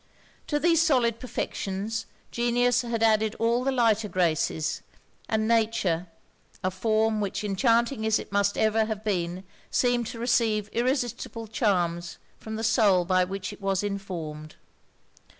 To these solid perfections, genius had added all the lighter graces; and nature, a form which, enchanting as it must ever have been, seemed to receive irresistible charms from the soul by which it was informed.